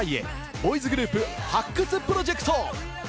ボーイズグループ発掘プロジェクト。